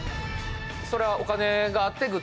それはお金があってグッズ